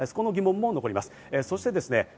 その疑問も残ります。